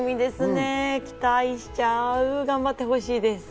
期待しちゃう、頑張ってほしいです。